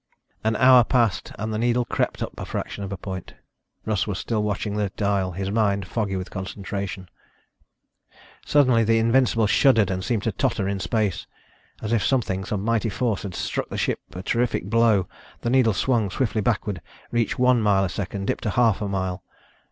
An hour passed and the needle crept up a fraction of a point. Russ was still watching the dial, his mind foggy with concentration. Suddenly the Invincible shuddered and seemed to totter in space, as if something, some mighty force, had struck the ship a terrific blow. The needle swung swiftly backward, reached one mile a second, dipped to half a mile.